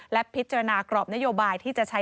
และพิจารณากรอบนโยบายที่จะใช้